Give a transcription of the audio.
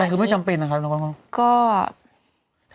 อะไรคือไม่จำเป็นนะครับละก่อน